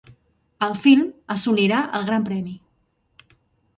El film assolirà el Gran Premi.